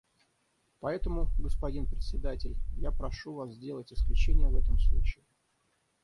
Поэтому, господин Председатель, я прошу Вас сделать исключение в этом случае.